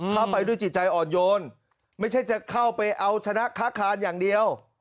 เข้าไปด้วยจิตใจอ่อนโยนไม่ใช่จะเข้าไปเอาชนะค้าคานอย่างเดียว